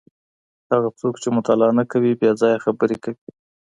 هغه څوک چي مطالعه نه کوي بې ځایه خبري کوي.